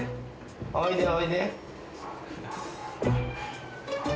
おいでおいで。